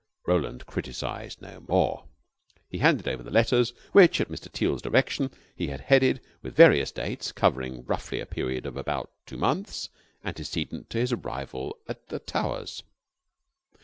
Roland criticized no more. He handed over the letters, which, at Mr. Teal's direction, he had headed with various dates covering roughly a period of about two months antecedent to his arrival at the Towers.